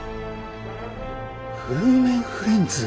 フルーメンフレンズ。